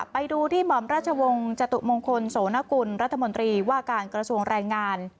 ไปดูที่หม่อมราชวงศ์จตุมงคลโสนกุลรัฐมนตรีว่าการกระทรวงแรงงาน